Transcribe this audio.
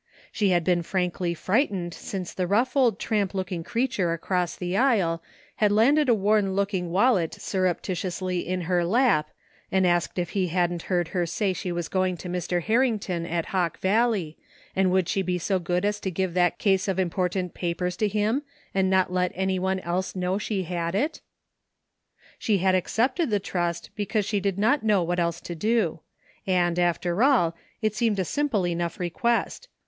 She had been frankly frightened since the rough old tramp looking creature across the aisle had landed a wom looking wallet surreptitiously in her lap and asked if he hadn't heard her say she was going to Mr. Harrington at Hawk Valley, and would she be so good as to give that case of important papers to him and not let anyone else know she had it? She had accepted the trust because she did not know what else to do; and after all, it seemed a simple enough request.